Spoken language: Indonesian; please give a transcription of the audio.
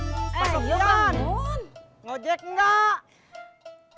pak sofian ngejek gak